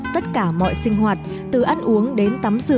tất cả mọi sinh hoạt từ ăn uống đến chăm sóc